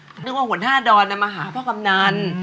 ช่อนึกว่าหัวหน้าดอนมันมาหาพ่อคำนั้น